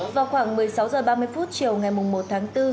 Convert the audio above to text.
vào khoảng một mươi sáu h ba mươi chiều ngày một tháng bốn